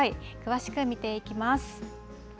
詳しく見ていきます。